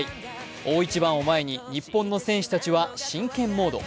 大一番を前に日本の選手たちは真剣モード。